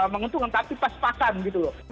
menguntungkan tapi pas pakan gitu loh